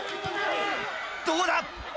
どうだ？